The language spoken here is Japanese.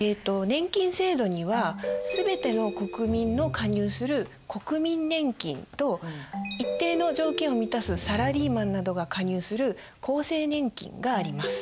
年金制度にはすべての国民の加入する国民年金と一定の条件を満たすサラリーマンなどが加入する厚生年金があります。